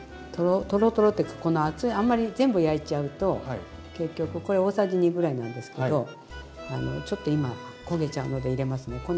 トロトロというかこの熱いあんまり全部焼いちゃうと結局これ大さじ２ぐらいなんですけどちょっと今焦げちゃうので入れますね。